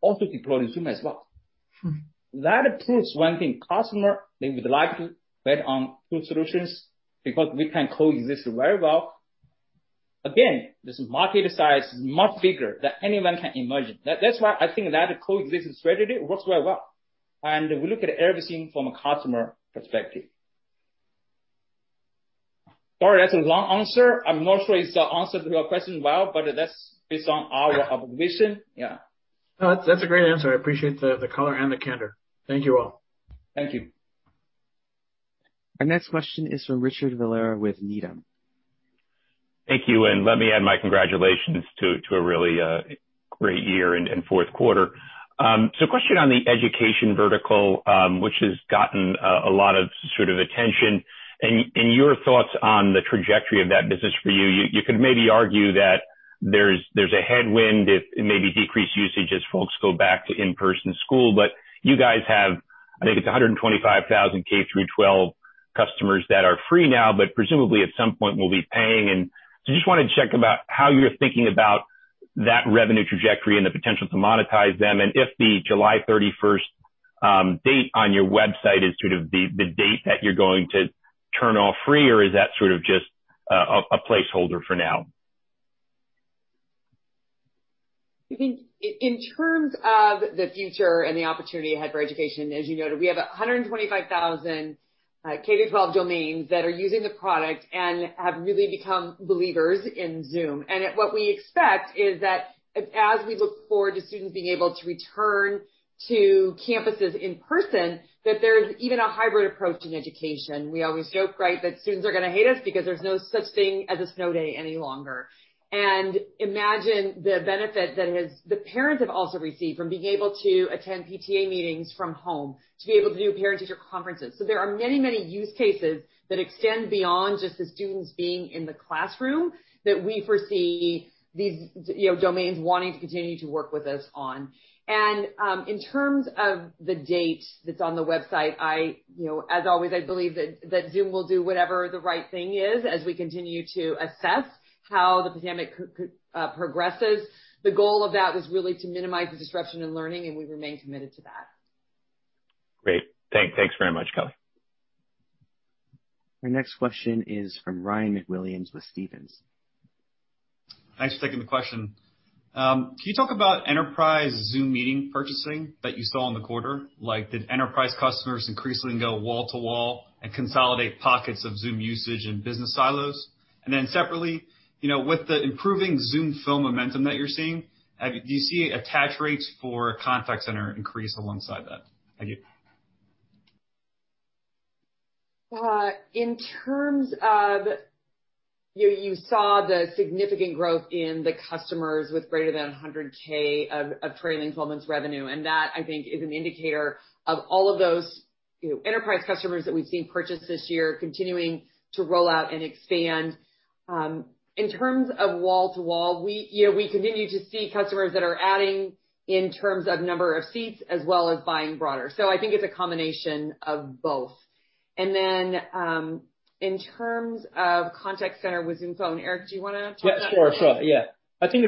also deployed in Zoom as well. That proves one thing. Customer, they would like to bet on two solutions because we can coexist very well. This market size is much bigger than anyone can imagine. That's why I think that coexistence strategy works very well. We look at everything from a customer perspective. Sorry, that's a long answer. I'm not sure it's the answer to your question well, but that's based on our observation. Yeah. No, that's a great answer. I appreciate the color and the candor. Thank you all. Thank you. Our next question is from Richard Valera with Needham. Thank you, and let me add my congratulations to a really great year and fourth quarter. Question on the education vertical, which has gotten a lot of sort of attention and your thoughts on the trajectory of that business for you. You could maybe argue that there's a headwind if maybe decreased usage as folks go back to in-person school. But you guys have, I think it's 125,000 K-12 customers that are free now, but presumably at some point will be paying. Just wanted to check about how you're thinking about that revenue trajectory and the potential to monetize them, and if the July 31st date on your website is sort of the date that you're going to turn off free, or is that sort of just a placeholder for now? I think in terms of the future and the opportunity ahead for education, as you noted, we have 125,000 K-12 domains that are using the product and have really become believers in Zoom. What we expect is that as we look forward to students being able to return to campuses in person, that there's even a hybrid approach to education. We always joke, right, that students are going to hate us because there's no such thing as a snow day any longer. Imagine the benefit that the parents have also received from being able to attend PTA meetings from home, to be able to do parent-teacher conferences. There are many, many use cases that extend beyond just the students being in the classroom that we foresee these domains wanting to continue to work with us on. In terms of the date that's on the website, as always, I believe that Zoom will do whatever the right thing is as we continue to assess how the pandemic progresses. The goal of that was really to minimize the disruption in learning, and we remain committed to that. Great. Thanks very much, Kelly. Our next question is from Ryan MacWilliams with Stephens. Thanks for taking the question. Can you talk about Enterprise Zoom Meetings purchasing that you saw in the quarter? Did enterprise customers increasingly go wall to wall and consolidate pockets of Zoom usage and business silos? Separately, with the improving Zoom Phone momentum that you're seeing, do you see attach rates for contact center increase alongside that? Thank you. You saw the significant growth in the customers with greater than $100,000 of trailing 12 months revenue. That, I think, is an indicator of all of those enterprise customers that we've seen purchase this year continuing to roll out and expand. In terms of wall to wall, we continue to see customers that are adding in terms of number of seats as well as buying broader. I think it's a combination of both. In terms of contact center with Zoom Phone, Eric, do you want to talk about that? Yeah, sure. I think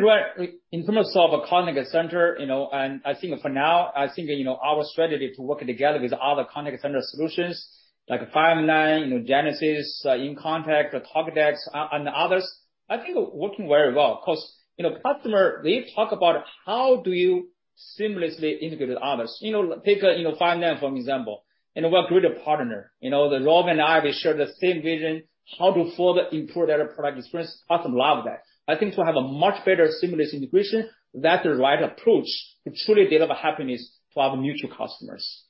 in terms of a contact center, I think for now, I think our strategy to work together with other contact center solutions like Five9, Genesys, inContact, Talkdesk, and others, I think are working very well. Customer, they talk about how do you seamlessly integrate with others. Take Five9, for example. We're a great partner. You know, Rob and I, we share the same vision, how to further improve their product experience. Customers love that. I think to have a much better seamless integration, that's the right approach to truly deliver happiness to our mutual customers.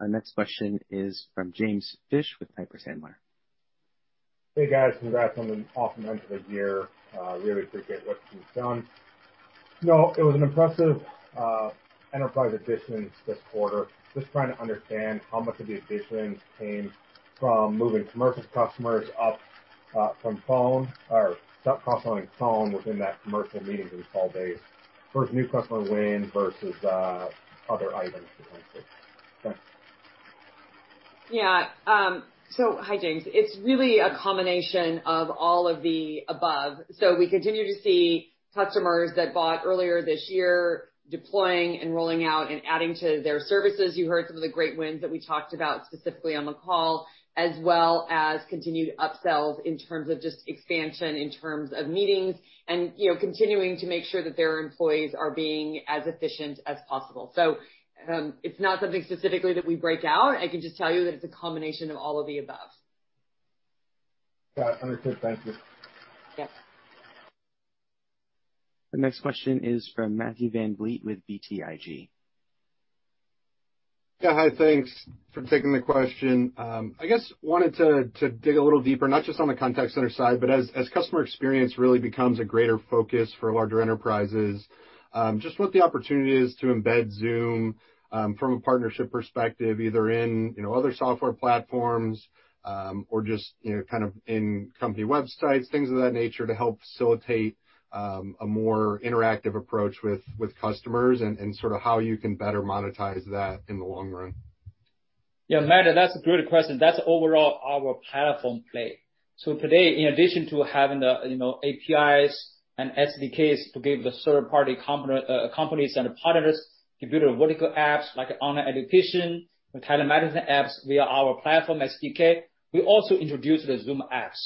Our next question is from James Fish with Piper Sandler. Hey, guys. Congrats on an awesome end to the year. Really appreciate what you've done. It was an impressive enterprise additions this quarter. Just trying to understand how much of the additions came from moving commercial customers up from Phone or cross-selling Phone within that commercial Meetings install base versus new customer wins versus other items, for instance. Thanks. Yeah. So, hi, James. It's really a combination of all of the above. We continue to see customers that bought earlier this year deploying and rolling out and adding to their services. You heard some of the great wins that we talked about specifically on the call, as well as continued upsells in terms of just expansion, in terms of meetings, and continuing to make sure that their employees are being as efficient as possible. It's not something specifically that we break out. I can just tell you that it's a combination of all of the above. Got it. Understood. Thank you. Yes. The next question is from Matthew VanVliet with BTIG. Yeah, hi, thanks for taking the question. I guess, I wanted to dig a little deeper, not just on the contact center side, but as customer experience really becomes a greater focus for larger enterprises, just what the opportunity is to embed Zoom from a partnership perspective, either in other software platforms, or just in company websites, things of that nature, to help facilitate a more interactive approach with customers and sort of how you can better monetize that in the long run. Yeah, Matt, that's a great question. That's overall our platform play. Today, in addition to having the APIs and SDKs to give the third-party companies and partners to build vertical apps like online education and telemedicine apps via our platform SDK, we also introduced the Zoom Apps.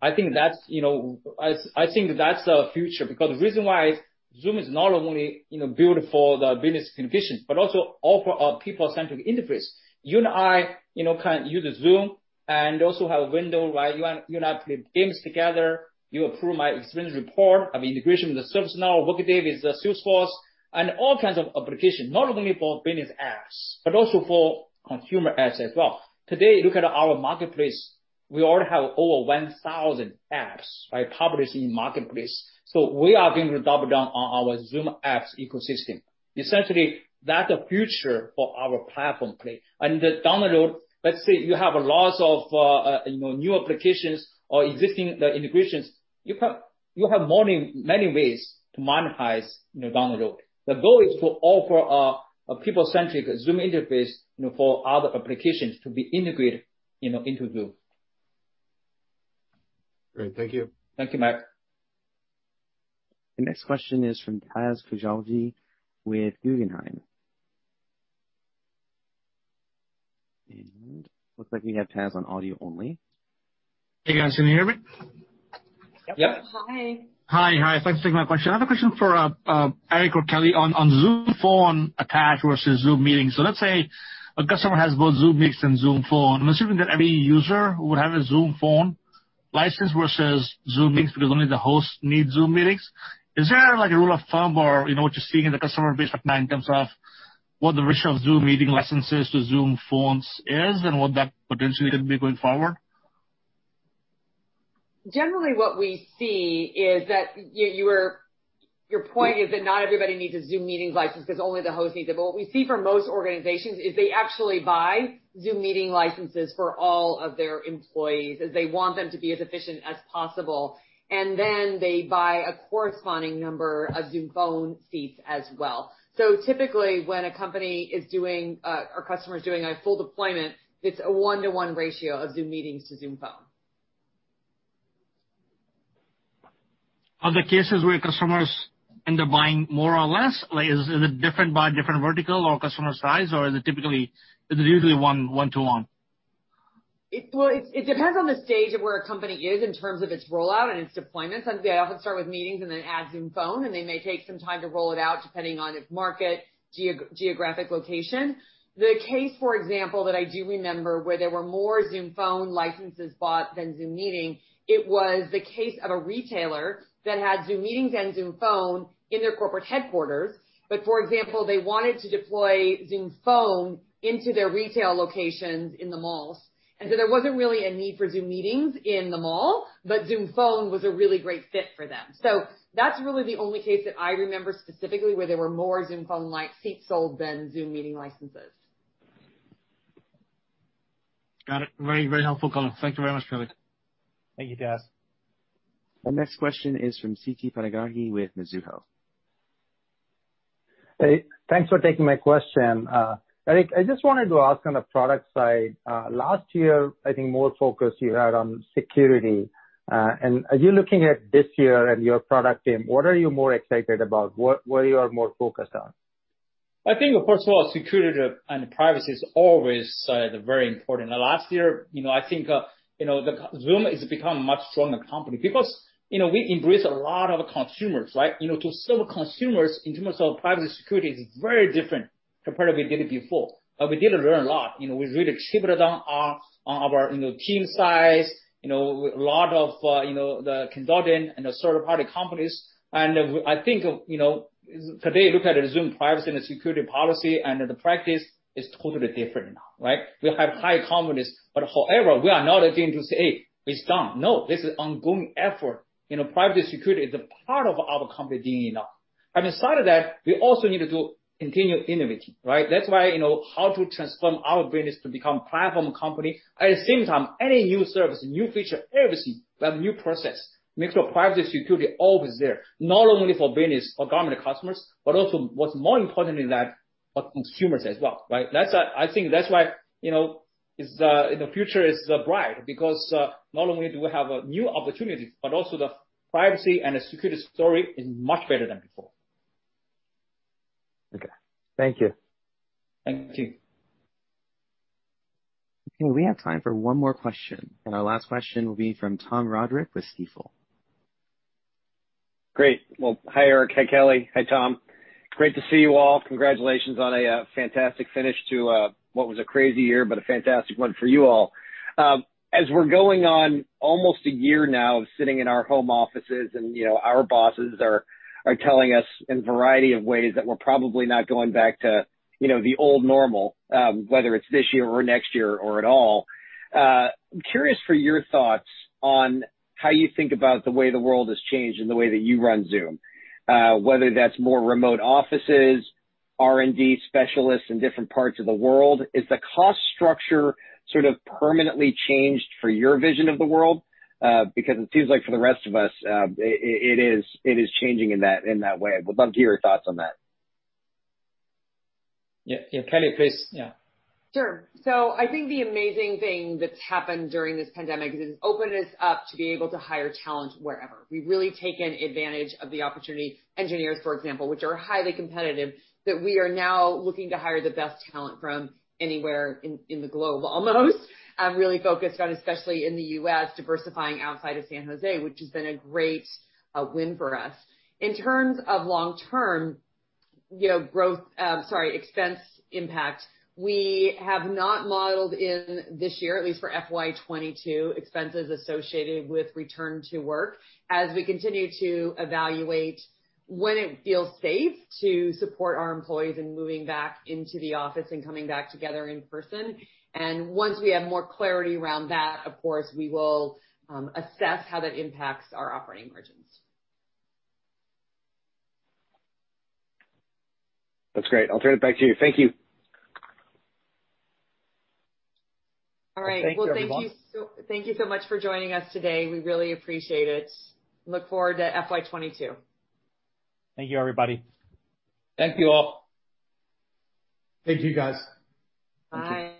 I think that's the future, because the reason why Zoom is not only built for the business conditions, but also offer a people-centric interface. You and I can use Zoom and also have Window, right, you and I play games together, you approve my expense report of integration with the ServiceNow, Workday, with Salesforce, and all kinds of applications, not only for business apps, but also for consumer apps as well. Today, look at our Marketplace. We already have over 1,000 apps by publishing in Marketplace. We are going to double down on our Zoom Apps ecosystem. Essentially, that's the future for our platform play. The download, let's say you have a lot of new applications or existing integrations, you have many ways to monetize down the road. The goal is to offer a people-centric Zoom interface for other applications to be integrated into Zoom. Great. Thank you. Thank you, Matt. The next question is from Taz Koujalgi with Guggenheim. Looks like we have Taz on audio only. Hey, guys, can you hear me? Yep. Hi. Hi. Thanks for taking my question. I have a question for Eric or Kelly on Zoom Phone attach versus Zoom Meetings. Let's say a customer has both Zoom Meetings and Zoom Phone. I'm assuming that every user who would have a Zoom Phone license versus Zoom Meetings because only the host needs Zoom Meetings. Is there a rule of thumb or what you're seeing in the customer base in terms of what the ratio of Zoom Meeting licenses to Zoom Phones is and what that potentially could be going forward? Generally, what we see is that, your point is that not everybody needs a Zoom Meetings license because only the host needs it. What we see for most organizations is they actually buy Zoom Meetings licenses for all of their employees, as they want them to be as efficient as possible. They buy a corresponding number of Zoom Phone seats as well. Typically, when a company or customer is doing a full deployment, it's a one-to-one ratio of Zoom Meetings to Zoom Phone. Are there cases where customers end up buying more or less? Is it different by different vertical or customer size, or is it usually one-to-one? Well, it depends on the stage of where a company is in terms of its rollout and its deployments. They often start with Meetings and then add Zoom Phone, and they may take some time to roll it out depending on its market, geographic location. The case, for example, that I do remember where there were more Zoom Phone licenses bought than Zoom Meeting, it was the case of a retailer that had Zoom Meetings and Zoom Phone in their corporate headquarters. For example, they wanted to deploy Zoom Phone into their retail locations in the malls. There wasn't really a need for Zoom Meetings in the mall, but Zoom Phone was a really great fit for them. That's really the only case that I remember specifically where there were more Zoom Phone seats sold than Zoom Meeting licenses. Got it. Very helpful, Kelly. Thank you very much, Kelly. Thank you, Taz. Our next question is from Siti Panigrahi with Mizuho. Hey, thanks for taking my question. Eric, I just wanted to ask on the product side, last year, I think more focus you had on security. As you're looking at this year and your product team, what are you more excited about? What are you more focused on? I think, first of all, security and privacy is always very important. Last year, I think Zoom has become a much stronger company because we embrace a lot of consumers. To serve consumers in terms of privacy and security is very different compared to we did it before. We did learn a lot. We really achieved it on our team size, a lot of the consultants and the third-party companies. I think, today, look at Zoom privacy and security policy and the practice is totally different now. We have high confidence, but however, we are not looking to say, "It's done." No, this is ongoing effort. Privacy and security is a part of our company DNA now. Beside of that, we also need to do continued innovating. That's why, how to transform our business to become platform company. At the same time, any new service, new feature, everything, we have new process, make sure privacy and security always there, not only for business or government customers, but also what's more important than that, consumers as well. I think that's why the future is bright because not only do we have new opportunities, but also the privacy and security story is much better than before. Okay. Thank you. Thank you. Okay. We have time for one more question. Our last question will be from Tom Roderick with Stifel. Hi, Eric. Hi, Kelly. Hi, Tom. Great to see you all. Congratulations on a fantastic finish to what was a crazy year, but a fantastic one for you all. We're going on almost a year now of sitting in our home offices, and our bosses are telling us in a variety of ways that we're probably not going back to the old normal, whether it's this year or next year or at all. I'm curious for your thoughts on how you think about the way the world has changed and the way that you run Zoom, whether that's more remote offices, R&D specialists in different parts of the world. Is the cost structure sort of permanently changed for your vision of the world? It seems like for the rest of us, it is changing in that way. I would love to hear your thoughts on that. Yeah. Kelly, please. Yeah. Sure. I think the amazing thing that's happened during this pandemic is it's opened us up to be able to hire talent wherever. We've really taken advantage of the opportunity, engineers, for example, which are highly competitive, that we are now looking to hire the best talent from anywhere in the globe, almost. Really focused on, especially in the U.S., diversifying outside of San Jose, which has been a great win for us. In terms of long-term expense impact, we have not modeled in this year, at least for FY 2022, expenses associated with return to work as we continue to evaluate when it feels safe to support our employees in moving back into the office and coming back together in person. Once we have more clarity around that, of course, we will assess how that impacts our operating margins. That's great. I'll turn it back to you. Thank you. All right. Thank you, everyone. Thank you so much for joining us today. We really appreciate it. Look forward to FY 2022. Thank you, everybody. Thank you, all. Thank you, guys. Bye.